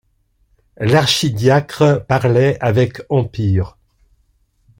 L’archidiacre parlait avec empire.